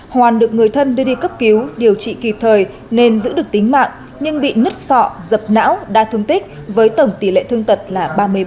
hoàn được người thân đưa đi cấp cứu điều trị kịp thời nên giữ được tính mạng nhưng bị nứt sọ dập não đa thương tích với tổng tỷ lệ thương tật là ba mươi ba